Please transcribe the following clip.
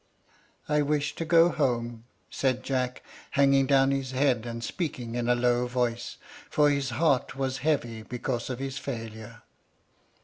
"I wish to go home," said Jack, hanging down his head and speaking in a low voice, for his heart was heavy because of his failure.